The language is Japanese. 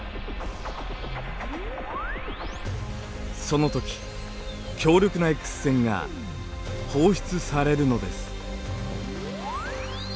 そのとき強力なＸ線が放出されるのです。